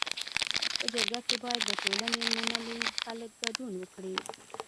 په جرګه کي باید د ټولني منلي خلک ګډون وکړي.